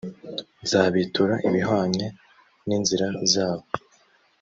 nzabitura ibihwanye n inzira zabo